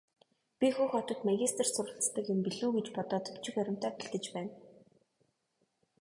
Би Хөх хотод магистрт суралцдаг юм билүү гэж бодоод бичиг баримтаа бэлдэж байна.